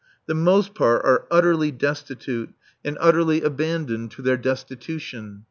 The most part are utterly destitute, and utterly abandoned to their destitution.